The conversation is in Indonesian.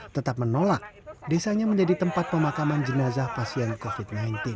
tetap menolak desanya menjadi tempat pemakaman jenazah pasien covid sembilan belas